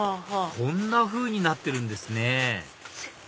こんなふうになってるんですね